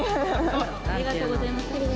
ありがとうございますは？